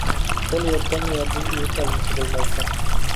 قول يەتكەنلا يەردىن ئۈزۈپ ئالمىسا بولمايتتى.